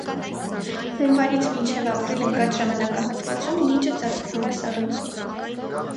Հունվարից մինչև ապրիլ ընկած ժամանակահատվածում լիճը ծածկվում է սառույցով։